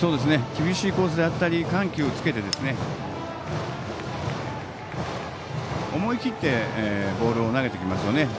厳しいコースだったり緩急をつけて思い切ってボールを投げてきますよね。